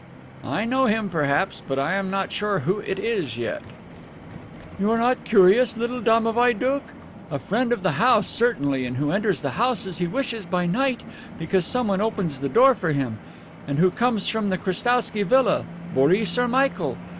"I know him, perhaps, but I am not sure who it is yet." "You are not curious, little domovoi doukh! A friend of the house, certainly, and who enters the house as he wishes, by night, because someone opens the window for him. And who comes from the Krestowsky Villa! Boris or Michael!